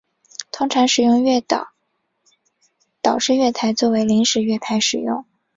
通常使用岛式月台作为临时月台使用。